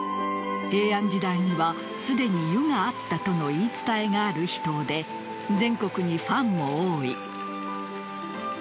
平安時代にはすでに湯があったとの言い伝えがある秘湯で全国にファンも多い。